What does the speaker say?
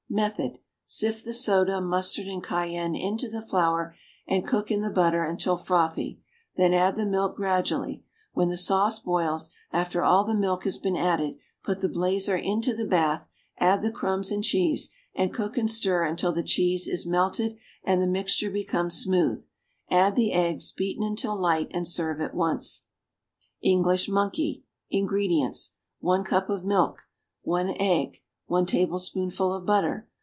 Method. Sift the soda, mustard and cayenne into the flour and cook in the butter until frothy, then add the milk gradually; when the sauce boils, after all the milk has been added, put the blazer into the bath, add the crumbs and cheese, and cook and stir until the cheese is melted and the mixture becomes smooth; add the eggs, beaten until light, and serve at once. [Illustration: Yorkshire Rarebit.] [Illustration: Curried Eggs. (See page 191)] =English Monkey.= INGREDIENTS. 1 cup of milk. 1 egg. 1 tablespoonful of butter.